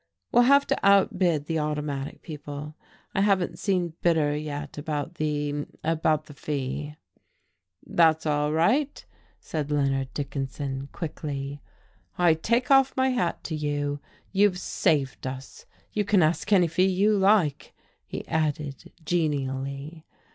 "We'll have to outbid the Automatic people. I haven't seen Bitter yet about the about the fee." "That's all right," said Leonard Dickinson, quickly. "I take off my hat to you. You've saved us. You can ask any fee you like," he added genially.